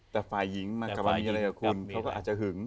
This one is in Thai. แต่ฝ่ายหญิงมากลับมามีอะไรกับคุณเขาก็อาจจะหึง